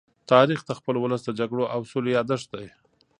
تاریخ د خپل ولس د جګړو او سولې يادښت دی.